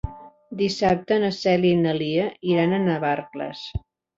Dissabte na Cèlia i na Lia iran a Navarcles.